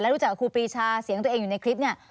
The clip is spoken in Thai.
รู้จักกับครูปีชาเสียงตัวเองอยู่ในคลิปเนี่ย